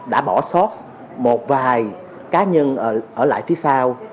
đã bỏ sót một vài cá nhân ở lại phía sau